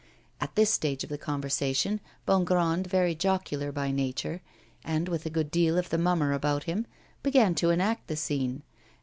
At this stage of the conversation Bongrand, very jocular by nature, and with a good deal of the mummer about him, began to enact the scene.